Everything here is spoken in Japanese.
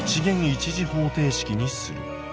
一次方程式にする」。